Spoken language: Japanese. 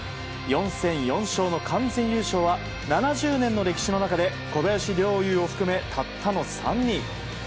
４戦４勝の完全優勝は７０年の歴史の中で小林陵侑を含め、たったの３人。